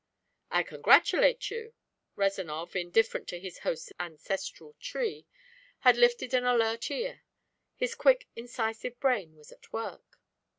"I congratulate you!" Rezanov, indifferent to his host's ancestral tree, had lifted an alert ear. His quick incisive brain was at work.